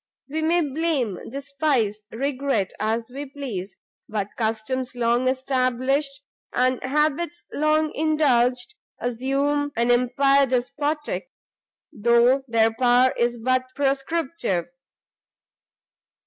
We may blame, despise, regret as we please, but customs long established, and habits long indulged, assume an empire despotic, though their power is but prescriptive.